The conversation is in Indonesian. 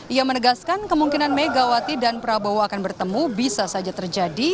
ia menegaskan kemungkinan megawati dan prabowo akan bertemu bisa saja terjadi